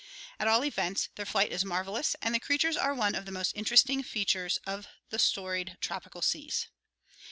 At all events, their flight is marvelous and the creatures are one of the most interesting fea tures of the storied tropical seas.